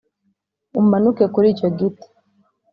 umanuke kuri icyo giti.